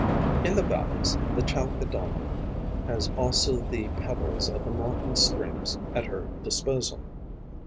In the valleys, the Chalicodoma has also the pebbles of the mountain streams at her disposal.